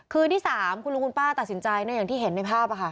คืนที่๓คุณลุงคุณป้าตัดสินใจอย่างที่เห็นในภาพ